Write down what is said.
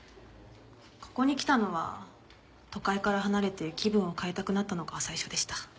ここに来たのは都会から離れて気分を変えたくなったのが最初でした。